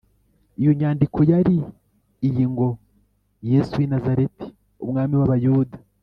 iyo nyandiko yari iyi ngo, “yesu w’i nazareti, umwami w’abayuda